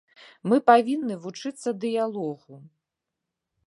Мы павінны вучыцца дыялогу.